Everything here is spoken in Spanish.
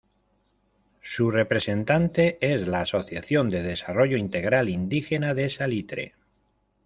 Su representante es la Asociación de Desarrollo Integral Indígena de Salitre.